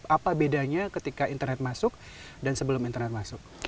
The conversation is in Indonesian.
apa bedanya ketika internet masuk dan sebelum internet masuk